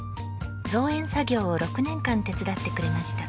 造園作業を６年間手伝ってくれました。